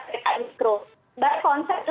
serta mikro bahkan konsep itu